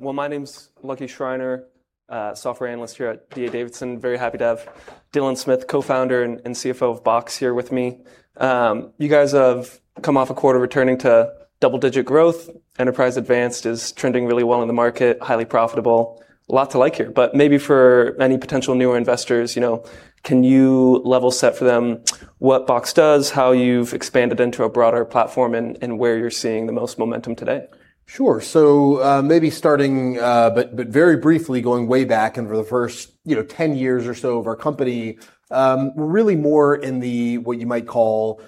My name's Lucky Schreiner, Software Analyst here at D.A. Davidson. Very happy to have Dylan Smith, Co-Founder and CFO of Box, here with me. You guys have come off a quarter returning to double-digit growth. Enterprise Advanced is trending really well in the market, highly profitable. A lot to like here, maybe for many potential newer investors, can you level set for them what Box does, how you've expanded into a broader platform, and where you're seeing the most momentum today? Sure. Maybe starting, very briefly, going way back for the first 10 years or so of our company, we're really more in the, what you might call,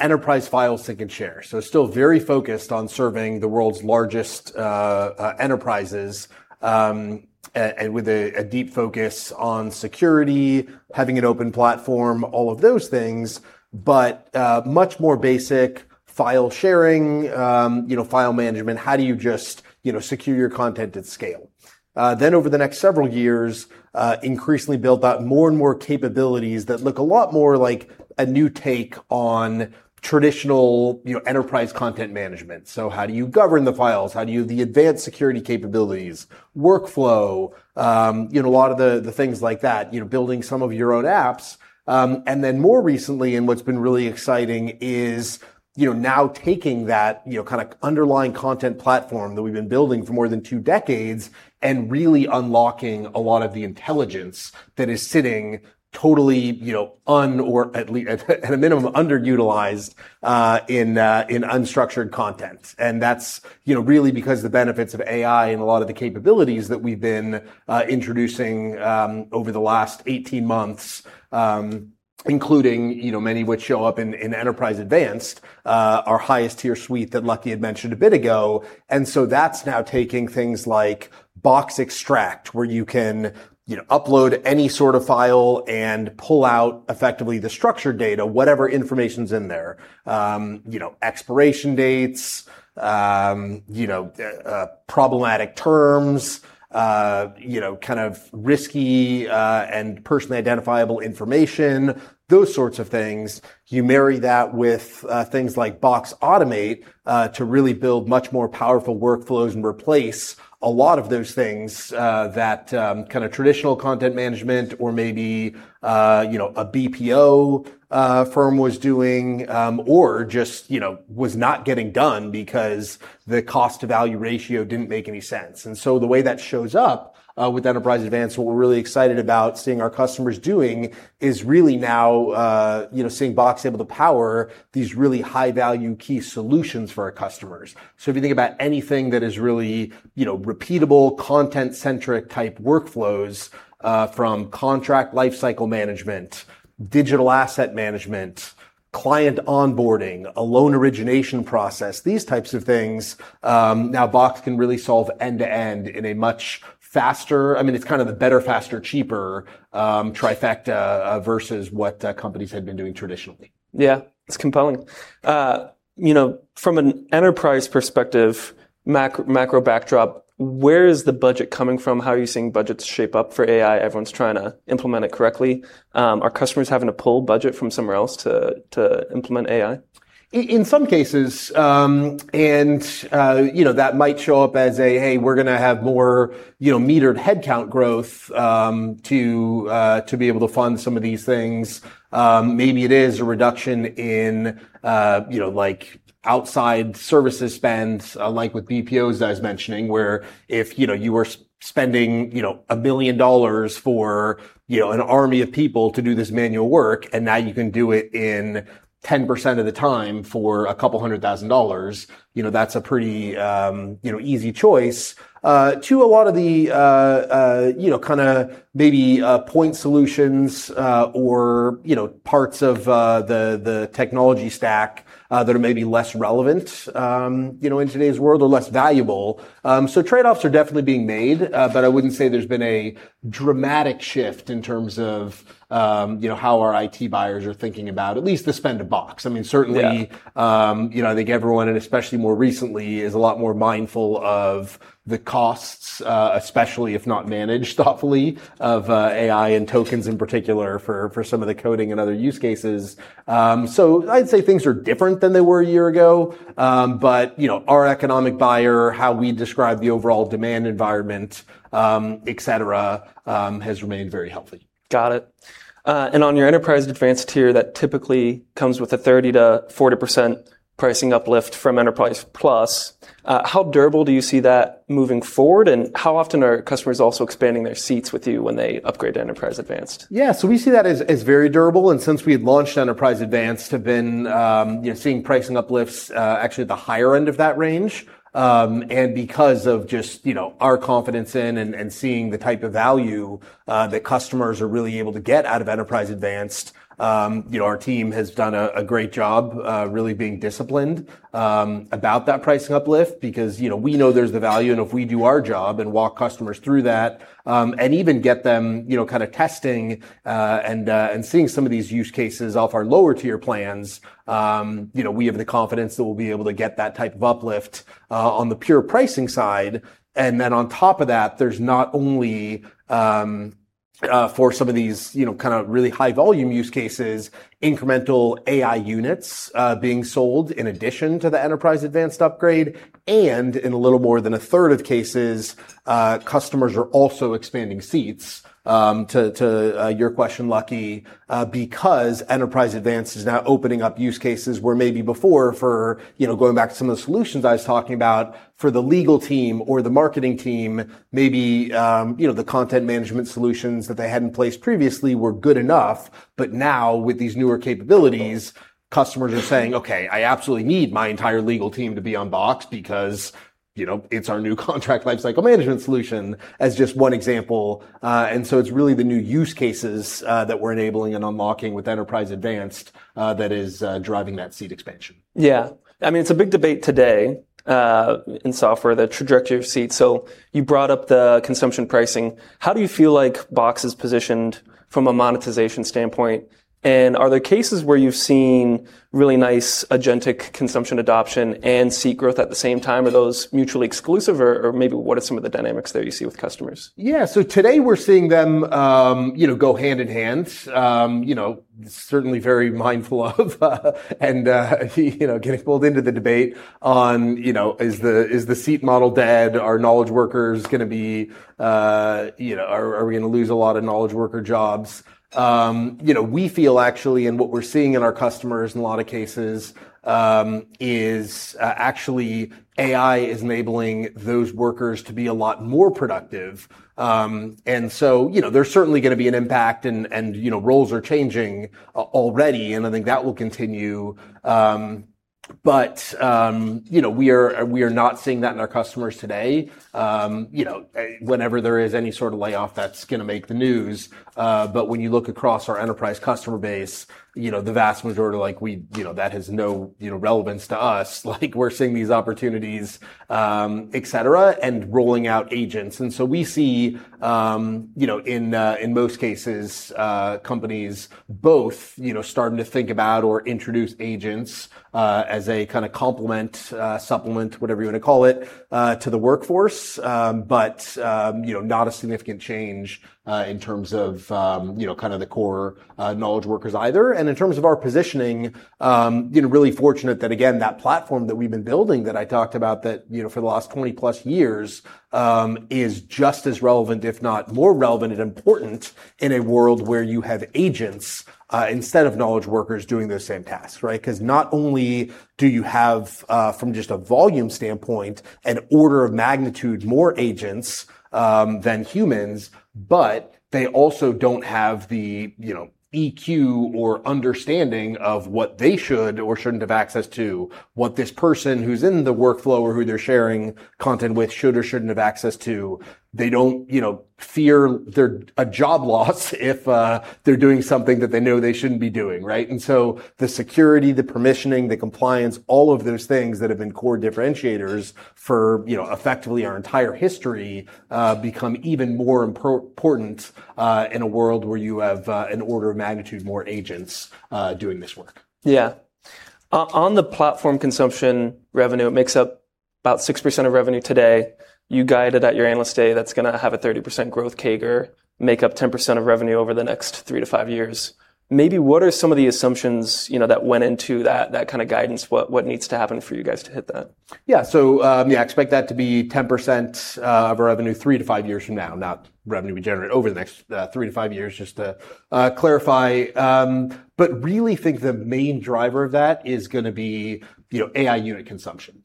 enterprise file sync and share. Still very focused on serving the world's largest enterprises, with a deep focus on security, having an open platform, all of those things, much more basic file sharing, file management, how do you just secure your content at scale? Over the next several years, increasingly built out more and more capabilities that look a lot more like a new take on traditional enterprise content management. How do you govern the files? How do you have the advanced security capabilities, workflow, a lot of the things like that, building some of your own apps. More recently, what's been really exciting is now taking that kind of underlying content platform that we've been building for more than two decades really unlocking a lot of the intelligence that is sitting totally at least at a minimum, underutilized in unstructured content. That's really because the benefits of AI a lot of the capabilities that we've been introducing over the last 18 months, including many which show up in Enterprise Advanced, our highest tier suite that Lucky had mentioned a bit ago. That's now taking things like Box Extract, where you can upload any sort of file pull out effectively the structured data, whatever information's in there. Expiration dates, problematic terms, kind of risky, personally identifiable information, those sorts of things. You marry that with things like Box Automate, to really build much more powerful workflows replace a lot of those things that kind of traditional content management or maybe a BPO firm was doing, or just was not getting done because the cost to value ratio didn't make any sense. The way that shows up, with Enterprise Advanced, what we're really excited about seeing our customers doing, is really now seeing Box able to power these really high-value key solutions for our customers. If you think about anything that is really repeatable, content-centric type workflows, from contract lifecycle management, digital asset management, client onboarding, a loan origination process, these types of things, now Box can really solve end to end in a much faster, I mean, it's kind of the better, faster, cheaper trifecta versus what companies had been doing traditionally. Yeah. It's compelling. From an enterprise perspective, macro backdrop, where is the budget coming from? How are you seeing budgets shape up for AI? Everyone's trying to implement it correctly. Are customers having to pull budget from somewhere else to implement AI? In some cases, That might show up as a, hey, we're going to have more metered headcount growth to be able to fund some of these things. Maybe it is a reduction in outside services spends, like with BPOs, as I was mentioning, where if you were spending $1 million for an army of people to do this manual work, and now you can do it in 10% of the time for a couple of a thousand dollars, that's a pretty easy choice to a lot of the kind of maybe point solutions, or parts of the technology stack that are maybe less relevant in today's world or less valuable. Trade-offs are definitely being made, but I wouldn't say there's been a dramatic shift in terms of how our IT buyers are thinking about at least the spend to Box. Yeah I think everyone, especially more recently, is a lot more mindful of the costs, especially if not managed thoughtfully of AI and tokens in particular for some of the coding and other use cases. I'd say things are different than they were one year ago. Our economic buyer, how we describe the overall demand environment, et cetera, has remained very healthy. Got it. On your Enterprise Advanced tier, that typically comes with a 30%-40% pricing uplift from Enterprise Plus. How durable do you see that moving forward, How often are customers also expanding their seats with you when they upgrade to Enterprise Advanced? Yeah. We see that as very durable, and since we had launched Enterprise Advanced, have been seeing pricing uplifts, actually at the higher end of that range. Because of just our confidence in and seeing the type of value that customers are really able to get out of Enterprise Advanced, our team has done a great job really being disciplined about that pricing uplift because we know there's the value, and if we do our job and walk customers through that, and even get them kind of testing, and seeing some of these use cases off our lower tier plans, we have the confidence that we'll be able to get that type of uplift on the pure pricing side. On top of that, for some of these really high volume use cases, incremental AI Units being sold in addition to the Enterprise Advanced upgrade, and in a little more than a third of cases, customers are also expanding seats. To your question, Lucky, because Enterprise Advanced is now opening up use cases where maybe before for going back to some of the solutions I was talking about for the legal team or the marketing team, maybe the enterprise content management solutions that they had in place previously were good enough. Now with these newer capabilities, customers are saying, "Okay, I absolutely need my entire legal team to be on Box because it's our new contract lifecycle management solution," as just one example. It's really the new use cases that we're enabling and unlocking with Enterprise Advanced that is driving that seat expansion. Yeah. It's a big debate today in software, the trajectory of seats. You brought up the consumption pricing. How do you feel like Box is positioned from a monetization standpoint, and are there cases where you've seen really nice agentic consumption adoption and seat growth at the same time? Are those mutually exclusive, or maybe what are some of the dynamics there you see with customers? Yeah. Today we're seeing them go hand in hand. Certainly very mindful of and getting pulled into the debate on is the seat model dead? Are we going to lose a lot of knowledge worker jobs? We feel actually, and what we're seeing in our customers in a lot of cases, is actually AI is enabling those workers to be a lot more productive. There's certainly going to be an impact and roles are changing already, and I think that will continue. We are not seeing that in our customers today. Whenever there is any sort of layoff that's going to make the news. When you look across our enterprise customer base, the vast majority that has no relevance to us. We're seeing these opportunities, et cetera, and rolling out agents. We see in most cases, companies both starting to think about or introduce agents, as a kind of complement, supplement, whatever you want to call it, to the workforce. Not a significant change in terms of the core knowledge workers either. In terms of our positioning, really fortunate that again, that platform that we've been building, that I talked about for the last 20+ years, is just as relevant, if not more relevant and important in a world where you have agents, instead of knowledge workers doing those same tasks. Not only do you have, from just a volume standpoint, an order of magnitude more agents than humans, but they also don't have the EQ or understanding of what they should or shouldn't have access to, what this person who's in the workflow or who they're sharing content with should or shouldn't have access to. They don't fear a job loss if they're doing something that they know they shouldn't be doing. The security, the permissioning, the compliance, all of those things that have been core differentiators for effectively our entire history, become even more important in a world where you have an order of magnitude more agents doing this work. On the platform consumption revenue, it makes up about 6% of revenue today. You guided at your Analyst Day that's going to have a 30% growth CAGR, make up 10% of revenue over the next three to five years. Maybe what are some of the assumptions that went into that kind of guidance? What needs to happen for you guys to hit that? Expect that to be 10% of our revenue three to five years from now, not revenue we generate over the next three to five years, just to clarify. Really think the main driver of that is going to be AI unit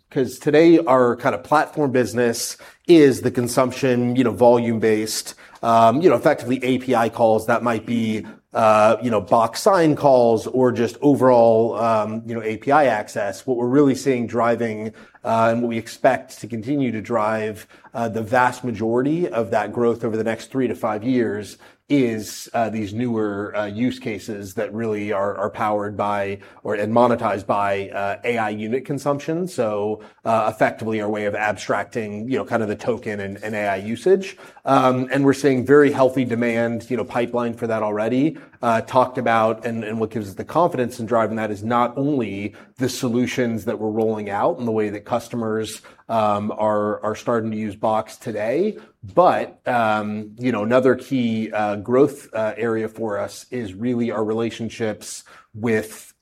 consumption. Today our kind of platform business is the consumption volume-based, effectively API calls that might be Box Sign calls or just overall API access. What we're really seeing driving, and what we expect to continue to drive, the vast majority of that growth over the next three to five years is these newer use cases that really are powered by and monetized by AI unit consumption. Effectively our way of abstracting the token and AI usage. We're seeing very healthy demand pipeline for that already. Talked about and what gives us the confidence in driving that is not only the solutions that we're rolling out and the way that customers are starting to use Box today, but another key growth area for us is really our relationships with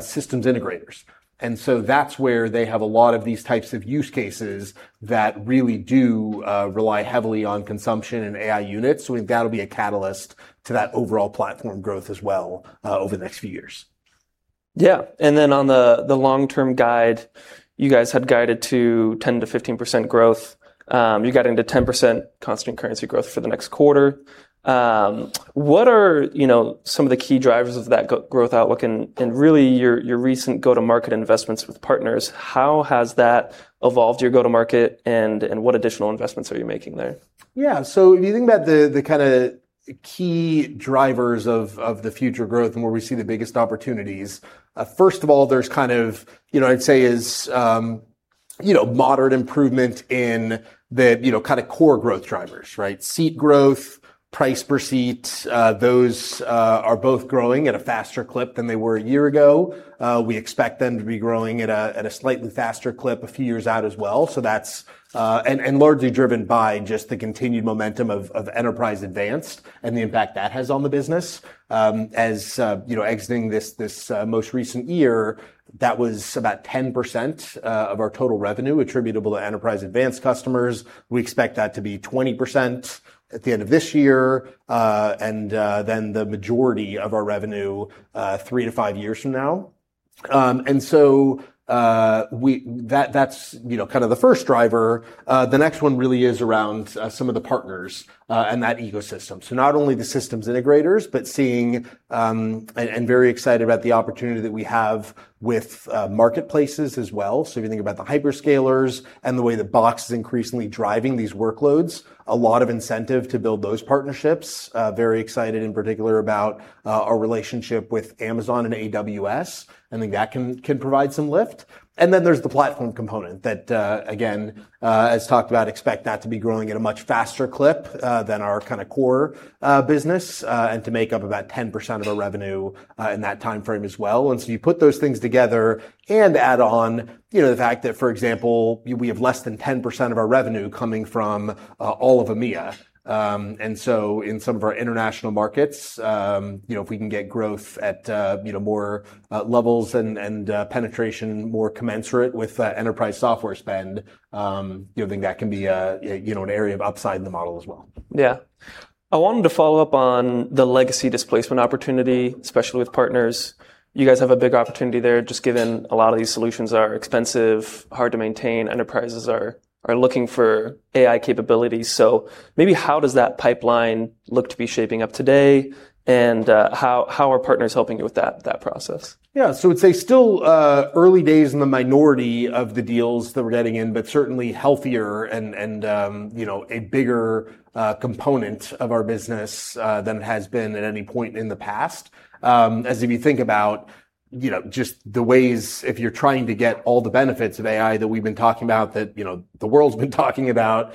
System Integrators. That's where they have a lot of these types of use cases that really do rely heavily on consumption and AI Units. We think that'll be a catalyst to that overall platform growth as well, over the next few years. Yeah. On the long-term guide, you guys had guided to 10%-15% growth. You got into 10% constant currency growth for the next quarter. What are some of the key drivers of that growth outlook and really your recent go-to-market investments with partners, how has that evolved your go-to-market and what additional investments are you making there? Yeah. If you think about the kind of key drivers of the future growth and where we see the biggest opportunities, first of all, there's kind of, I'd say is moderate improvement in the core growth drivers, right? Seat growth, price per seat, those are both growing at a faster clip than they were a year ago. We expect them to be growing at a slightly faster clip a few years out as well, and largely driven by just the continued momentum of Enterprise Advanced and the impact that has on the business. As exiting this most recent year, that was about 10% of our total revenue attributable to Enterprise Advanced customers. We expect that to be 20% at the end of this year. The majority of our revenue three to five years from now. That's the first driver. The next one really is around some of the partners and that ecosystem. Not only the System Integrators, but seeing, and very excited about the opportunity that we have with marketplaces as well. If you think about the hyperscalers and the way that Box is increasingly driving these workloads, a lot of incentive to build those partnerships. Very excited in particular about our relationship with Amazon and AWS, and think that can provide some lift. There's the platform component that, again, as talked about, expect that to be growing at a much faster clip than our core business, and to make up about 10% of our revenue in that timeframe as well. You put those things together and add on the fact that, for example, we have less than 10% of our revenue coming from all of EMEA. In some of our international markets, if we can get growth at more levels and penetration more commensurate with enterprise software spend, think that can be an area of upside in the model as well. I wanted to follow up on the legacy displacement opportunity, especially with partners. You guys have a big opportunity there, just given a lot of these solutions are expensive, hard to maintain. Enterprises are looking for AI capabilities. Maybe how does that pipeline look to be shaping up today? How are partners helping you with that process? I'd say still early days in the minority of the deals that we're getting in, but certainly healthier and a bigger component of our business than it has been at any point in the past. As if you think about just the ways, if you're trying to get all the benefits of AI that we've been talking about, that the world's been talking about,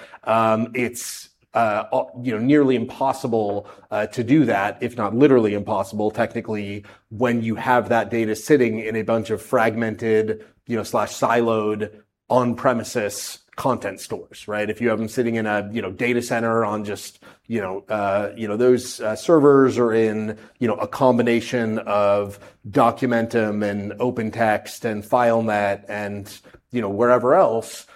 it's nearly impossible to do that, if not literally impossible, technically, when you have that data sitting in a bunch of fragmented/siloed on-premises content stores, right? If you have them sitting in a data center on just those servers or in a combination of Documentum and OpenText and FileNet and wherever else,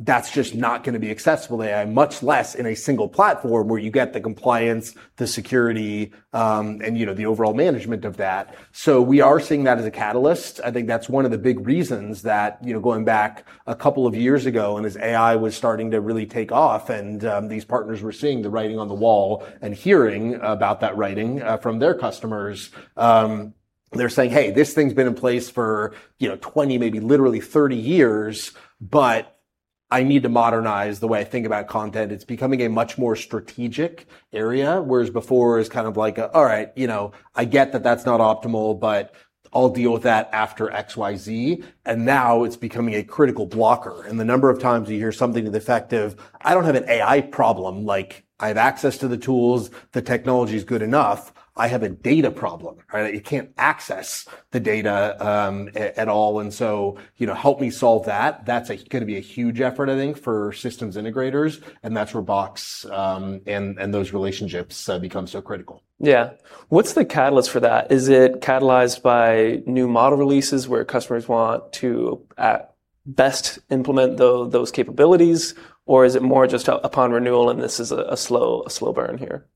that's just not going to be accessible to AI, much less in a single platform where you get the compliance, the security, and the overall management of that. We are seeing that as a catalyst. I think that's one of the big reasons that, going back a couple of years ago, as AI was starting to really take off, these partners were seeing the writing on the wall and hearing about that writing from their customers. They're saying, "Hey, this thing's been in place for 20, maybe literally 30 years, but I need to modernize the way I think about content." It's becoming a much more strategic area, whereas before it was kind of like a, "All right, I get that that's not optimal, but I'll deal with that after XYZ." Now it's becoming a critical blocker. The number of times you hear something to the effect of, "I don't have an AI problem, like I have access to the tools. The technology's good enough. I have a data problem. You can't access the data at all, and so help me solve that. That's going to be a huge effort, I think, for System Integrators, and that's where Box and those relationships become so critical. Yeah. What's the catalyst for that? Is it catalyzed by new model releases where customers want to, at best, implement those capabilities, or is it more just upon renewal and this is a slow burn here?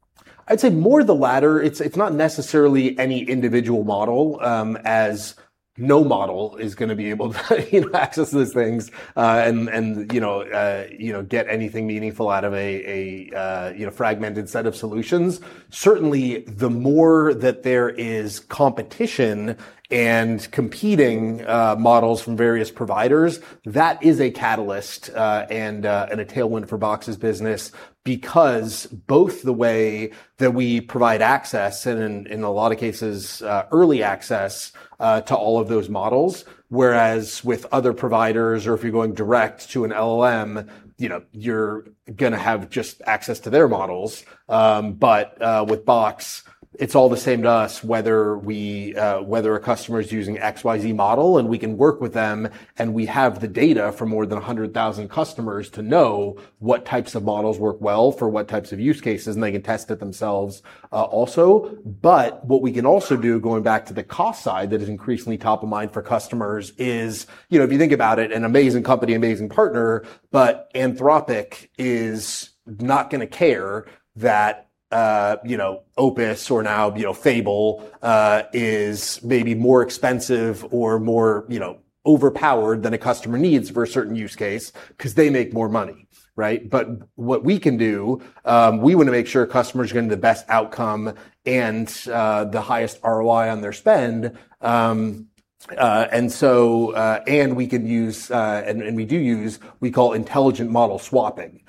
I'd say more the latter. It's not necessarily any individual model, as no model is going to be able to access those things, and get anything meaningful out of a fragmented set of solutions. Certainly, the more that there is competition and competing models from various providers, that is a catalyst, and a tailwind for Box's business because both the way that we provide access, and in a lot of cases early access to all of those models. Whereas with other providers, or if you're going direct to an LLM, you're going to have just access to their models. With Box, it's all the same to us whether a customer is using XYZ model, and we can work with them, and we have the data for more than 100,000 customers to know what types of models work well for what types of use cases, and they can test it themselves also. What we can also do, going back to the cost side, that is increasingly top of mind for customers is, if you think about it, an amazing company, amazing partner, Anthropic is not going to care that Opus or now Fable is maybe more expensive or more overpowered than a customer needs for a certain use case because they make more money, right? We want to make sure a customer's getting the best outcome and the highest ROI on their spend. We can use, and we do use, we call intelligent model swapping.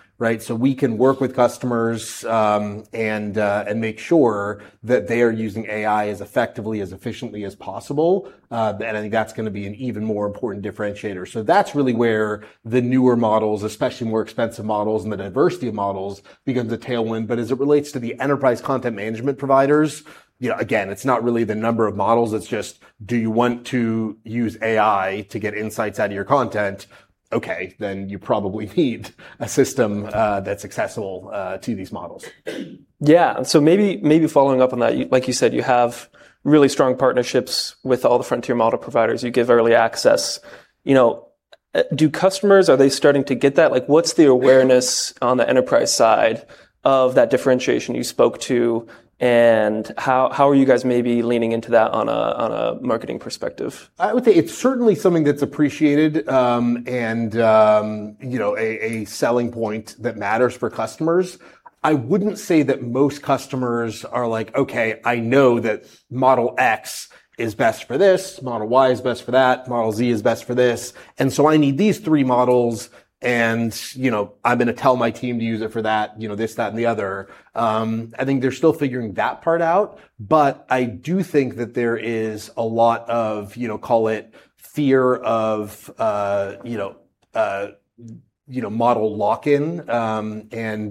We can work with customers, and make sure that they are using AI as effectively, as efficiently as possible. I think that's going to be an even more important differentiator. That's really where the newer models, especially more expensive models and the diversity of models, becomes a tailwind. As it relates to the enterprise content management providers, again, it's not really the number of models, it's just do you want to use AI to get insights out of your content? Okay. You probably need a system that's accessible to these models. Yeah. Maybe following up on that, like you said, you have really strong partnerships with all the frontier model providers. You give early access. Are customers starting to get that? What's the awareness on the enterprise side of that differentiation you spoke to, and how are you guys maybe leaning into that on a marketing perspective? I would say it's certainly something that's appreciated, a selling point that matters for customers. I wouldn't say that most customers are like, "Okay, I know that model X is best for this, model Y is best for that, model Z is best for this, I need these three models, I'm going to tell my team to use it for that," this, that, and the other. I think they're still figuring that part out. I do think that there is a lot of, call it fear of model lock-in, and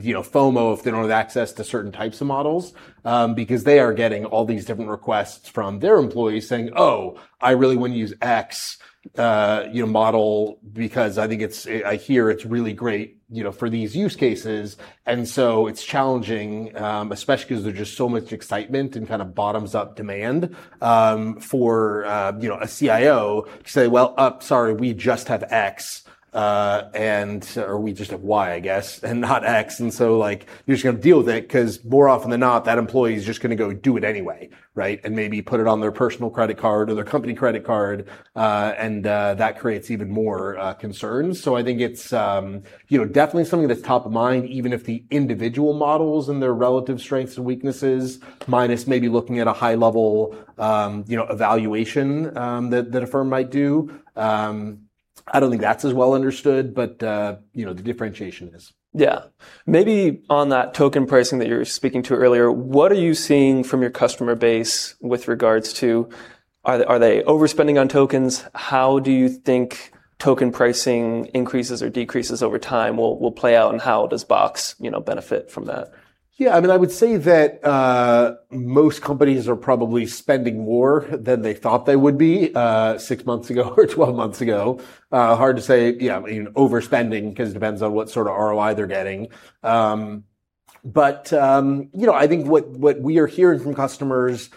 FOMO if they don't have access to certain types of models, because they are getting all these different requests from their employees saying, "Oh, I really want to use X model because I hear it's really great for these use cases." It's challenging, especially because there's just so much excitement and kind of bottoms-up demand, for a CIO to say, "Well, sorry, we just have X," or, "We just have Y, I guess, and not X." You're just going to deal with it because more often than not, that employee's just going to go do it anyway, and maybe put it on their personal credit card or their company credit card. That creates even more concerns. I think it's definitely something that's top of mind, even if the individual models and their relative strengths and weaknesses, minus maybe looking at a high-level evaluation that a firm might do. I don't think that's as well understood, the differentiation is. Maybe on that token pricing that you were speaking to earlier, what are you seeing from your customer base with regards to are they overspending on tokens? How do you think token pricing increases or decreases over time will play out, and how does Box benefit from that? I would say that most companies are probably spending more than they thought they would be six months ago or 12 months ago. Hard to say overspending, because it depends on what sort of ROI they're getting. I think what we are hearing from customers,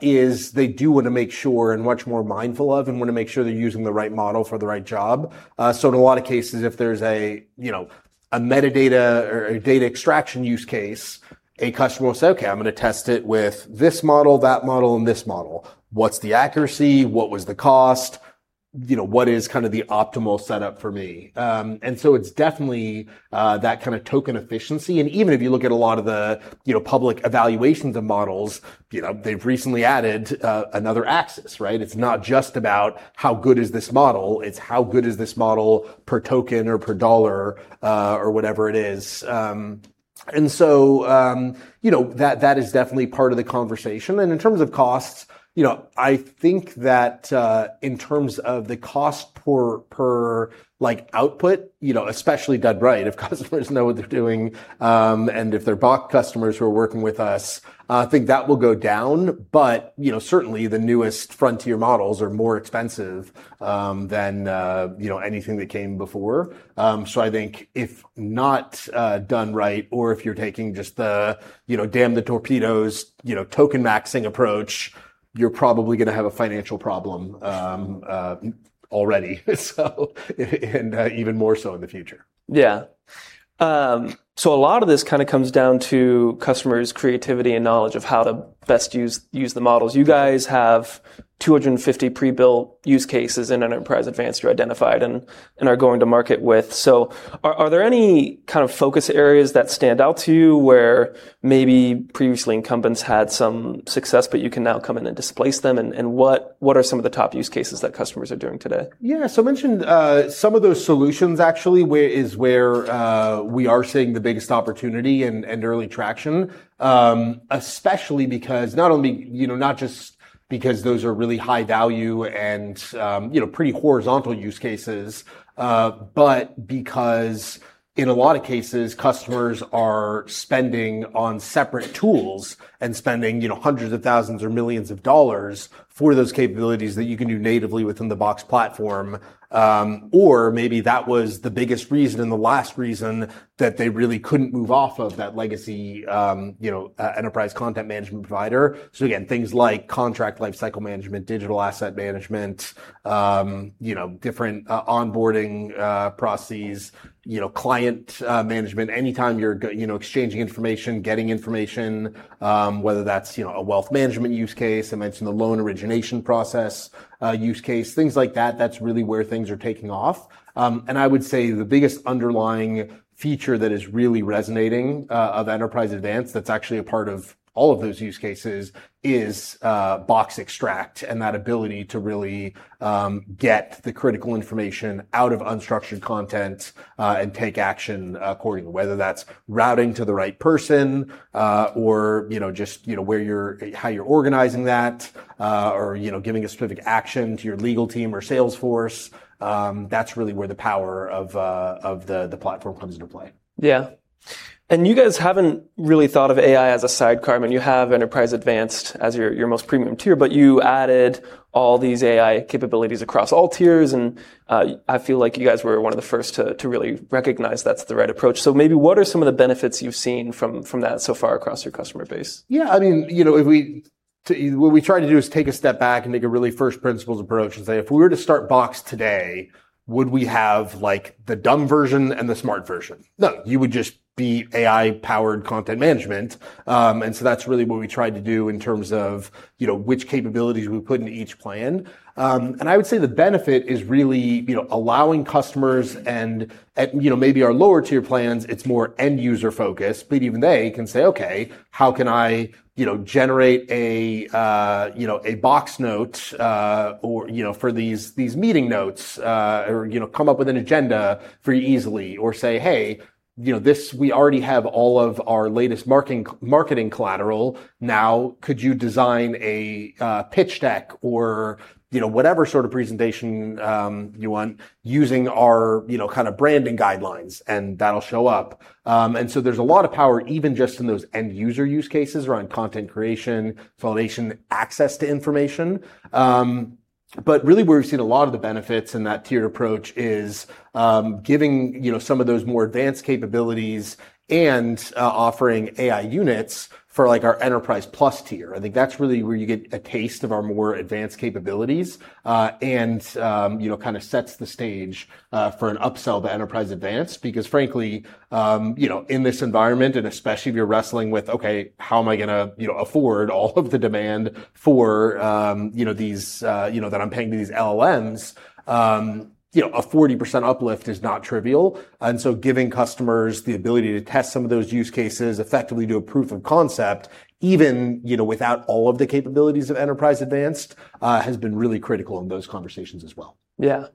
is they do want to make sure and much more mindful of, and want to make sure they're using the right model for the right job. In a lot of cases, if there's a metadata or a data extraction use case, a customer will say, "Okay, I'm going to test it with this model, that model, and this model. What's the accuracy? What was the cost? What is the optimal setup for me?" It's definitely that kind of token efficiency, and even if you look at a lot of the public evaluations of models, they've recently added another axis, right? It's not just about how good is this model, it's how good is this model per token or per dollar, or whatever it is. That is definitely part of the conversation. In terms of costs, I think that, in terms of the cost per output, especially done right, if customers know what they're doing, and if they're Box customers who are working with us, I think that will go down. Certainly the newest frontier models are more expensive than anything that came before. I think if not done right or if you're taking just the damn the torpedoes token maxing approach, you're probably going to have a financial problem already, and even more so in the future. Yeah. A lot of this kind of comes down to customers' creativity and knowledge of how to best use the models. You guys have 250 pre-built use cases in Enterprise Advanced you identified and are going to market with. Are there any kind of focus areas that stand out to you where maybe previously incumbents had some success, but you can now come in and displace them and what are some of the top use cases that customers are doing today? Yeah. I mentioned some of those solutions actually is where we are seeing the biggest opportunity and early traction. Especially because not just because those are really high value and pretty horizontal use cases, but because in a lot of cases, customers are spending on separate tools and spending hundreds of thousands or millions of dollars for those capabilities that you can do natively within the Box platform. Maybe that was the biggest reason and the last reason that they really couldn't move off of that legacy enterprise content management provider. Again, things like contract lifecycle management, digital asset management, different onboarding processes, client management. Anytime you're exchanging information, getting information, whether that's a wealth management use case, I mentioned the loan origination process use case, things like that's really where things are taking off. I would say the biggest underlying feature that is really resonating of Enterprise Advanced that's actually a part of all of those use cases is Box Extract, and that ability to really get the critical information out of unstructured content, and take action accordingly. Whether that's routing to the right person, or just how you're organizing that, or giving a specific action to your legal team or sales force. That's really where the power of the platform comes into play. Yeah. You guys haven't really thought of AI as a sidecar. You have Enterprise Advanced as your most premium tier, but you added all these AI capabilities across all tiers, and I feel like you guys were one of the first to really recognize that's the right approach. Maybe what are some of the benefits you've seen from that so far across your customer base? Yeah. What we try to do is take a step back and make a really first principles approach and say, "If we were to start Box today, would we have the dumb version and the smart version?" No, you would just be AI-powered content management. That's really what we tried to do in terms of which capabilities we put into each plan. I would say the benefit is really allowing customers and at maybe our lower tier plans, it's more end user focused, but even they can say, "Okay, how can I generate a Box Note for these meeting notes or come up with an agenda very easily?" Say, "Hey, we already have all of our latest marketing collateral. Now could you design a pitch deck or whatever sort of presentation you want using our branding guidelines?" That'll show up. There's a lot of power, even just in those end user use cases around content creation, validation, access to information. Really where we've seen a lot of the benefits in that tiered approach is giving some of those more advanced capabilities and offering AI Units for our Enterprise Plus tier. I think that's really where you get a taste of our more advanced capabilities, and kind of sets the stage for an upsell to Enterprise Advanced. Frankly, in this environment, and especially if you're wrestling with, "Okay, how am I going to afford all of the demand that I'm paying for these LLMs?" A 40% uplift is not trivial, giving customers the ability to test some of those use cases effectively do a proof of concept, even without all of the capabilities of Enterprise Advanced, has been really critical in those conversations as well. Yeah.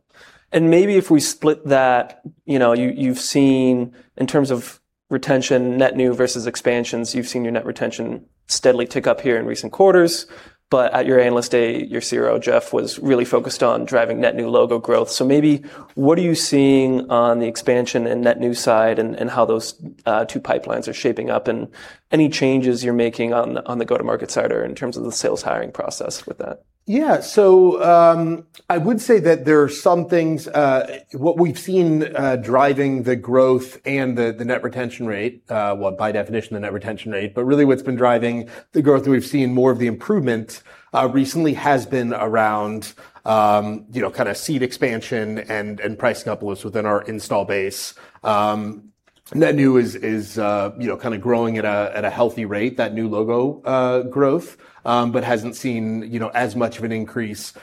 Maybe if we split that, you've seen in terms of retention, net new versus expansions, you've seen your net retention steadily tick up here in recent quarters. At your Analyst Day, your CRO, Jeff, was really focused on driving net new logo growth. Maybe what are you seeing on the expansion and net new side and how those two pipelines are shaping up, and any changes you're making on the go-to-market side or in terms of the sales hiring process with that? Yeah. I would say that there are some things, what we've seen driving the growth and the net retention rate, well, by definition, the net retention rate, really what's been driving the growth that we've seen more of the improvement recently has been around kind of seat expansion and pricing uploads within our install base. Net new is kind of growing at a healthy rate, that new logo growth, but hasn't seen as much of an increase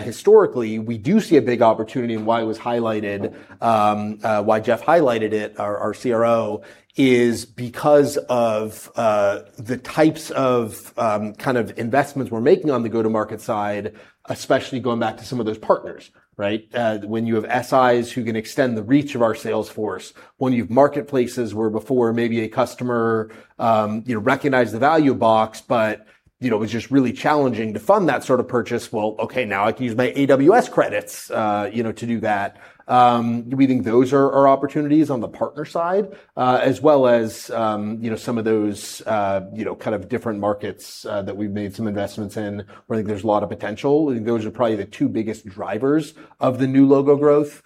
historically. We do see a big opportunity and why Jeff highlighted it, our CRO, is because of the types of kind of investments we're making on the go-to-market side, especially going back to some of those partners, right? When you have SIs who can extend the reach of our sales force, when you've marketplaces where before maybe a customer recognized the value of Box, but it was just really challenging to fund that sort of purchase. Okay, now I can use my AWS credits to do that. We think those are our opportunities on the partner side, as well as some of those kind of different markets that we've made some investments in where I think there's a lot of potential. I think those are probably the two biggest drivers of the new logo growth.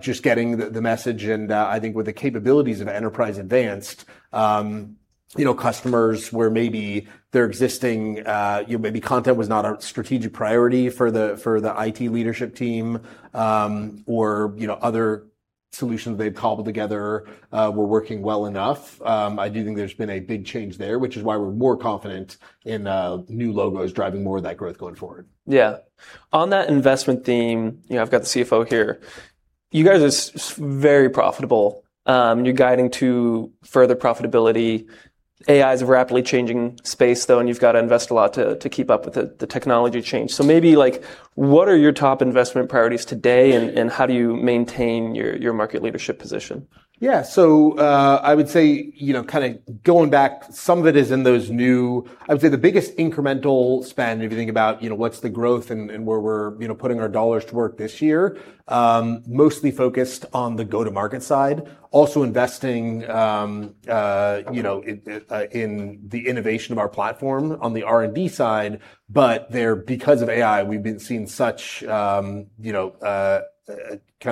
Just getting the message, and I think with the capabilities of Enterprise Advanced, customers where maybe their existing content was not a strategic priority for the IT leadership team, or other solutions they'd cobbled together were working well enough. I do think there's been a big change there, which is why we're more confident in new logos driving more of that growth going forward. On that investment theme, I've got the CFO here. You guys are very profitable. You're guiding to further profitability. AI is a rapidly changing space, though, and you've got to invest a lot to keep up with the technology change. Maybe what are your top investment priorities today, and how do you maintain your market leadership position? I would say, kind of going back, some of it is in those new I would say the biggest incremental spend, if you think about what's the growth and where we're putting our dollars to work this year, mostly focused on the go-to-market side. Also investing in the innovation of our platform on the R&D side, but there, because of AI, we've been seeing such kind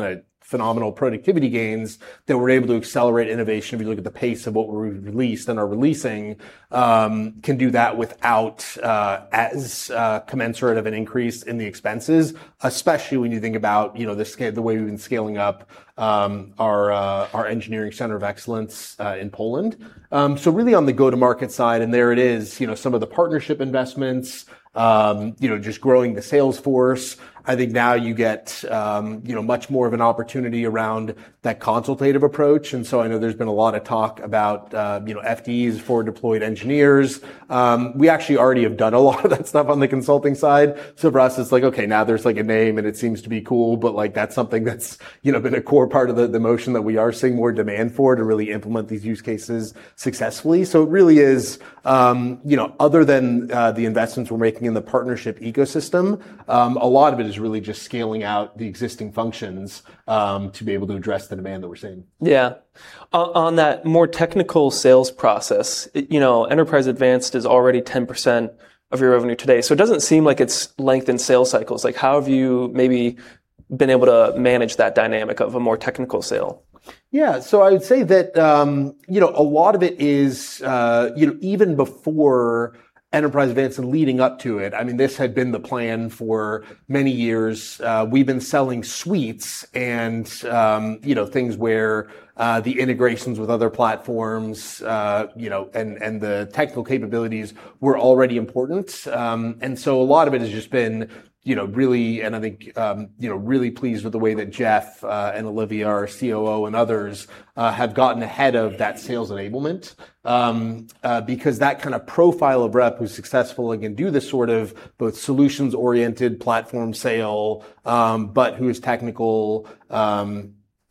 of phenomenal productivity gains that we're able to accelerate innovation. If you look at the pace of what we've released and are releasing, can do that without as commensurate of an increase in the expenses, especially when you think about the way we've been scaling up our engineering center of excellence in Poland. Really on the go-to-market side, and there it is, some of the partnership investments, just growing the sales force. I think now you get much more of an opportunity around that consultative approach. I know there's been a lot of talk about FDEs, Forward Deployed Engineers. We actually already have done a lot of that stuff on the consulting side. For us, it's like, okay, now there's a name, and it seems to be cool, but that's something that's been a core part of the motion that we are seeing more demand for to really implement these use cases successfully. It really is, other than the investments we're making in the partnership ecosystem, a lot of it is really just scaling out the existing functions to be able to address the demand that we're seeing. On that more technical sales process, Enterprise Advanced is already 10% of your revenue today. It doesn't seem like it's lengthened sales cycles. How have you maybe been able to manage that dynamic of a more technical sale? I would say that a lot of it is, even before Enterprise Advanced and leading up to it, this had been the plan for many years. We've been selling suites and things where the integrations with other platforms and the technical capabilities were already important. A lot of it has just been really, and I think really pleased with the way that Jeff and Olivia, our COO, and others have gotten ahead of that sales enablement. That kind of profile of rep who's successful and can do this sort of both solutions-oriented platform sale, but who's technical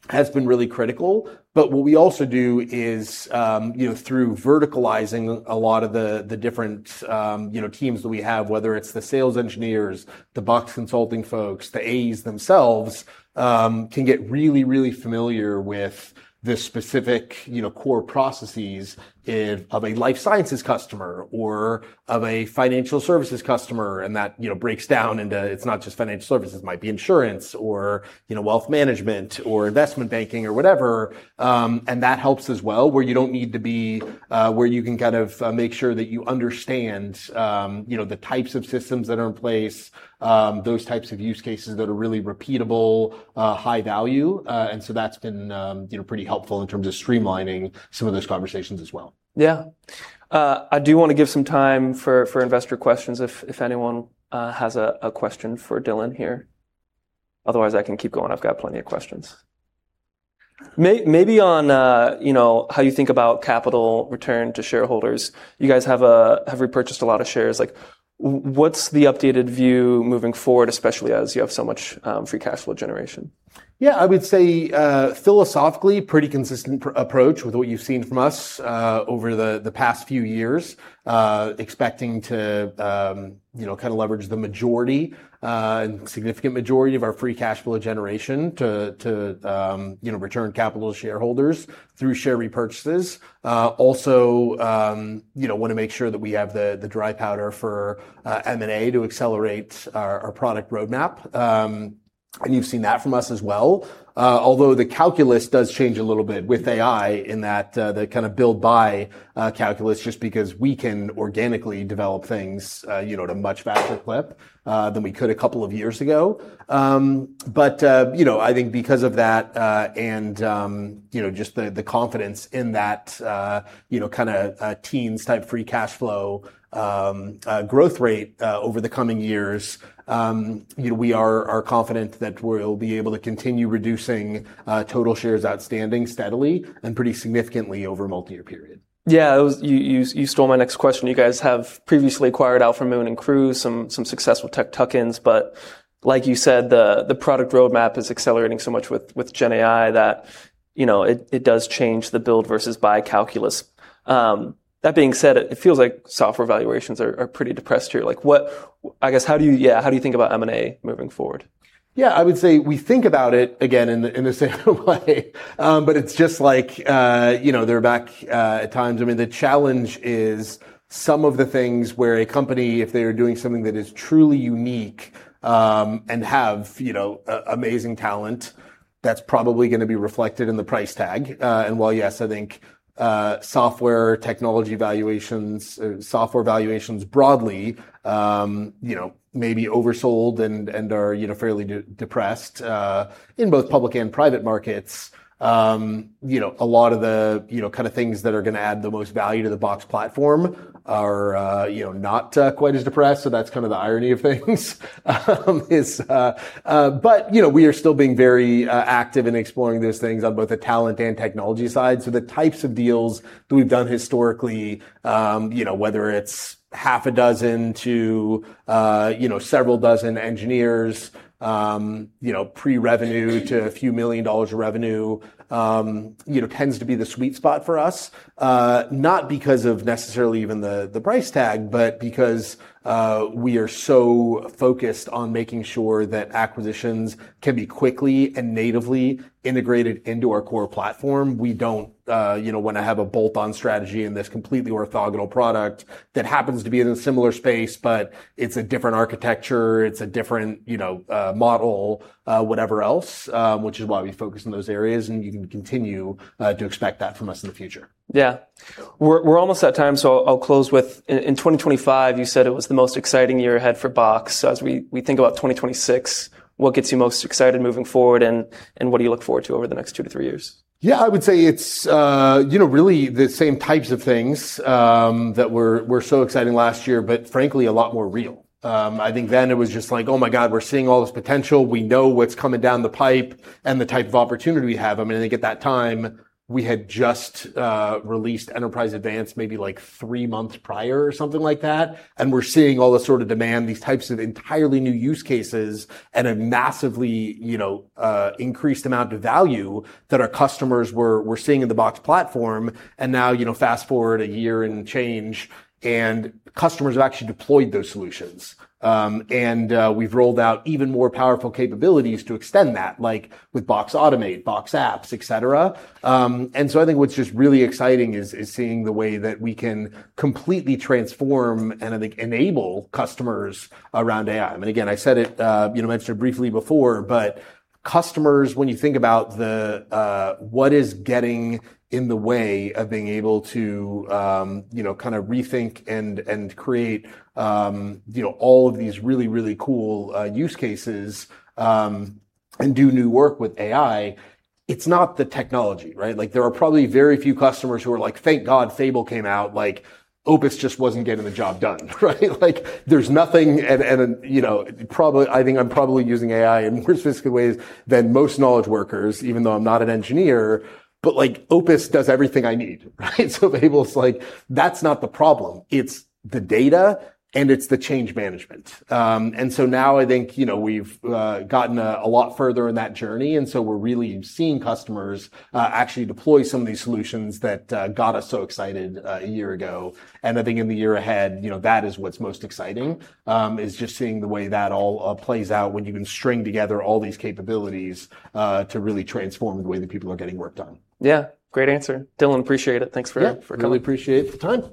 has been really critical. What we also do is, through verticalizing a lot of the different teams that we have, whether it's the sales engineers, the Box Consulting folks, the AEs themselves, can get really familiar with the specific core processes of a life sciences customer or of a financial services customer. That breaks down into it's not just financial services. It might be insurance or wealth management or investment banking or whatever. That helps as well, where you can kind of make sure that you understand the types of systems that are in place, those types of use cases that are really repeatable, high value. That's been pretty helpful in terms of streamlining some of those conversations as well. Yeah. I do want to give some time for investor questions, if anyone has a question for Dylan here. Otherwise, I can keep going. I've got plenty of questions. Maybe on how you think about capital return to shareholders. You guys have repurchased a lot of shares. What's the updated view moving forward, especially as you have so much free cash flow generation? Yeah. I would say, philosophically, pretty consistent approach with what you've seen from us over the past few years. Expecting to kind of leverage the majority, significant majority of our free cash flow generation to return capital to shareholders through share repurchases. Also, want to make sure that we have the dry powder for M&A to accelerate our product roadmap. You've seen that from us as well. The calculus does change a little bit with AI in that, the kind of build by calculus, just because we can organically develop things at a much faster clip than we could a couple of years ago. I think because of that and just the confidence in that kind of teens type free cash flow growth rate over the coming years, we are confident that we'll be able to continue reducing total shares outstanding steadily and pretty significantly over a multiyear period. Yeah. You stole my next question. You guys have previously acquired Alphamoon and Crooze, some successful tech tuck-ins. Like you said, the product roadmap is accelerating so much with GenAI that it does change the build versus buy calculus. That being said, it feels like software valuations are pretty depressed here. I guess, how do you think about M&A moving forward? I would say we think about it, again, in the same way but it's just like the pullback at times. The challenge is some of the things where a company, if they are doing something that is truly unique, and have amazing talent, that's probably going to be reflected in the price tag. While, yes, I think software technology valuations, software valuations broadly, may be oversold and are fairly depressed in both public and private markets. A lot of the kind of things that are going to add the most value to the Box platform are not quite as depressed. That's kind of the irony of things. We are still being very active in exploring those things on both the talent and technology side. The types of deals that we've done historically, whether it's half a dozen to several dozen engineers, pre-revenue to a few million dollars of revenue, tends to be the sweet spot for us. Not because of necessarily even the price tag, but because we are so focused on making sure that acquisitions can be quickly and natively integrated into our core platform. We don't want to have a bolt-on strategy and this completely orthogonal product that happens to be in a similar space, but it's a different architecture, it's a different model, whatever else, which is why we focus on those areas, and you can continue to expect that from us in the future. Yeah. We're almost at time. I'll close with in 2025, you said it was the most exciting year ahead for Box. As we think about 2026, what gets you most excited moving forward, and what do you look forward to over the next two to three years? Yeah. I would say it's really the same types of things that were so exciting last year, but frankly, a lot more real. I think then it was just like, oh my God, we're seeing all this potential. We know what's coming down the pipe and the type of opportunity we have. I think at that time, we had just released Enterprise Advanced maybe three months prior or something like that, and we're seeing all this sort of demand, these types of entirely new use cases, and a massively increased amount of value that our customers were seeing in the Box platform. Now, fast-forward a year and change, and customers have actually deployed those solutions. We've rolled out even more powerful capabilities to extend that, like with Box Automate, Box Apps, et cetera. I think what's just really exciting is seeing the way that we can completely transform and, I think, enable customers around AI. Again, I said it, mentioned it briefly before, customers, when you think about what is getting in the way of being able to kind of rethink and create all of these really, really cool use cases, and do new work with AI, it's not the technology, right? There are probably very few customers who are like, "Thank God Fable came out. Opus just wasn't getting the job done." Right? There's nothing, I think I'm probably using AI in more specific ways than most knowledge workers, even though I'm not an engineer, but Opus does everything I need. Right? Fable's like, that's not the problem. It's the data, and it's the change management. Now I think we've gotten a lot further in that journey, we're really seeing customers actually deploy some of these solutions that got us so excited a year ago. I think in the year ahead, that is what's most exciting, is just seeing the way that all plays out when you can string together all these capabilities to really transform the way that people are getting work done. Yeah. Great answer. Dylan, appreciate it. Thanks for coming. Yeah. Really appreciate the time.